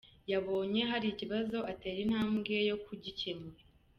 Yabonye hari ikibazo atera intambwe yo kugikemura.